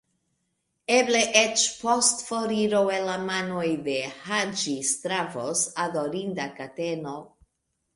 Eble eĉ, post foriro el la manoj de Haĝi-Stavros, adorinda kateno!